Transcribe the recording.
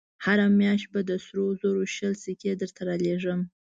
هره مياشت به د سرو زرو شل سيکې درته رالېږم.